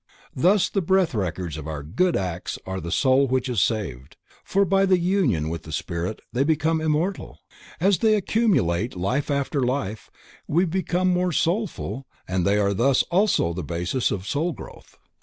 Thus the breath records of our good acts are the soul which is saved, for by the union with the spirit they become immortal. As they accumulate life after life, we become more soulful and they are thus also the basis of soulgrowth.